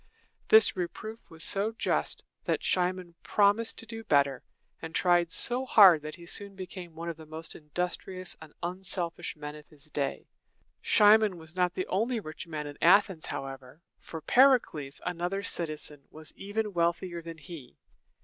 This reproof was so just, that Cimon promised to do better, and tried so hard that he soon became one of the most industrious and unselfish men of his day. Cimon was not the only rich man in Athens, however; for Per´i cles, another citizen, was even wealthier than he.